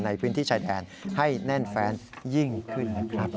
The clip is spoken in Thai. ในพื้นที่ชายแดนให้แน่นแฟนยิ่งขึ้นนะครับ